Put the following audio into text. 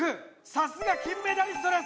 さすが金メダリストです。